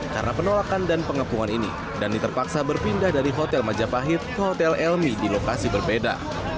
karena penolakan dan pengepungan ini dhani terpaksa berpindah dari hotel majapahit ke hotel elmi di lokasi berbeda